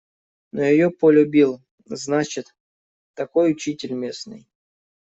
Но её полюбил, значит, такой учитель местный.